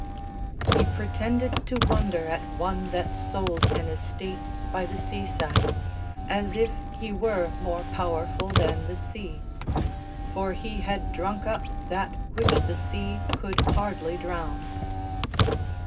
He pretended to wonder at one that sold an estate by the seaside, as if he were more powerful than the sea; for he had drunk up that which the sea could hardly drown.